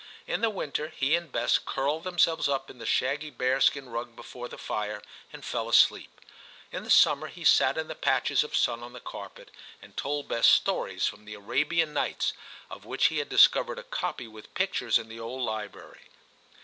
In the winter he and Bess curled themselves up in the shaggy bearskin rug before the fire and fell asleep ; in the summer he sat in the patches of sun on the carpet, and told Bess stories from the Arabian Nights, of which he had discovered a copy with pictures in the old library.